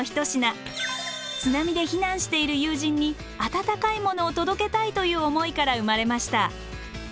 津波で避難している友人に温かいものを届けたいという思いから生まれました。